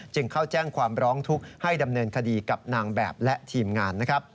เข้าแจ้งความร้องทุกข์ให้ดำเนินคดีกับนางแบบและทีมงานนะครับ